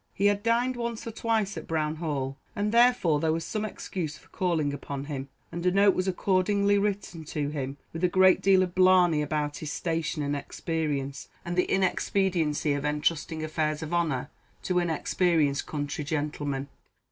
He had dined once or twice at Brown Hall, and therefore there was some excuse for calling upon him; and a note was accordingly written to him, with a great deal of blarney about his station and experience, and the inexpediency of entrusting affairs of honour to inexperienced country gentlemen.